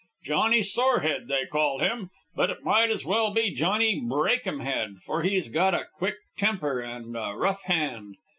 'Johnny Sorehead,' they call him, but it might as well be 'Johnny Break um head,' for he's got a quick temper and a rough hand.